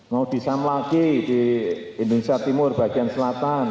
mau disam lagi di indonesia timur bagian selatan